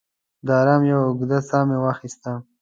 د ارام یوه اوږده ساه مې واخیسته.